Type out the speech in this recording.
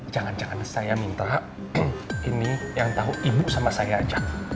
jangan jangan saya minta ini yang tahu ibu sama saya aja